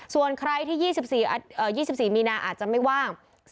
ส่วนใครที่๒๔มีนาอาจจะไม่ว่าง